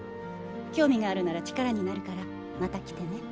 興味があるなら力になるからまた来てね。